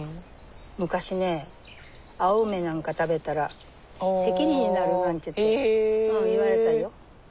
昔ね青梅なんか食べたら赤痢になるなんて言われたよ。